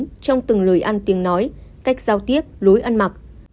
công chúng trong từng lời ăn tiếng nói cách giao tiếp lối ăn mặc